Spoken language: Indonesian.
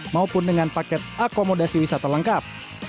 maupun dengan paket akomodasi wisata lengkap